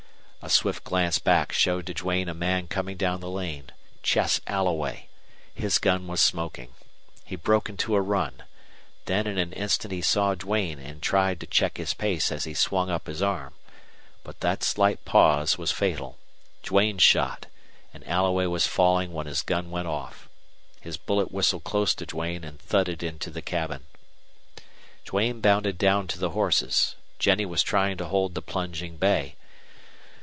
A swift glance back showed to Duane a man coming down the lane. Chess Alloway! His gun was smoking. He broke into a run. Then in an instant he saw Duane, and tried to check his pace as he swung up his arm. But that slight pause was fatal. Duane shot, and Alloway was falling when his gun went off. His bullet whistled close to Duane and thudded into the cabin. Duane bounded down to the horses. Jennie was trying to hold the plunging bay.